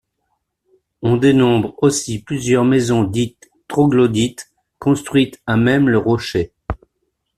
On dénombre aussi plusieurs maisons dites troglodytes, construites à même le rocher.